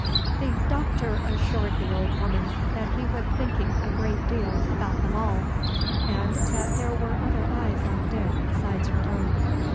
The Doctor assured the old woman that he was thinking a great deal about them all, and that there were other eyes on Dick besides her own.